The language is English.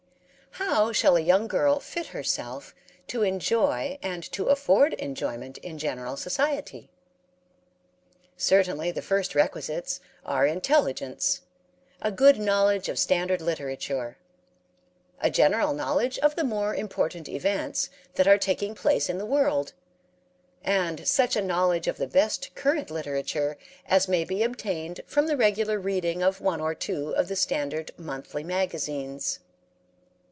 How shall a young girl fit herself to enjoy and to afford enjoyment in general society? Certainly the first requisites are intelligence, a good knowledge of standard literature, a general knowledge of the more important events that are taking place in the world, and such a knowledge of the best current literature as may be obtained from the regular reading of one or two of the standard monthly magazines.